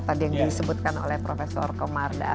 tadi yang disebutkan oleh prof komarda